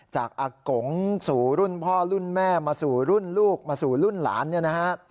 จากอากงสู่รุ่นพ่อรุ่นแม่มาสู่รุ่นลูกมาสู่รุ่นหลานเนี่ยนะฮะ